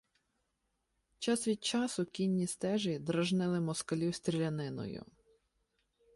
Час від часу кінні стежі дражнили москалів стріляниною.